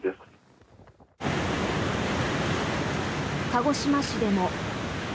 鹿児島市でも。